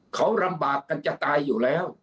เขาลำบากกันจะตายอยู่แล้ว